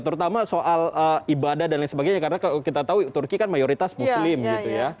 terutama soal ibadah dan lain sebagainya karena kita tahu turki kan mayoritas muslim gitu ya